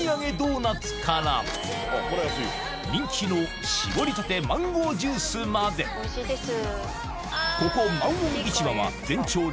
人気の搾りたてマンゴージュースまでおいしいです。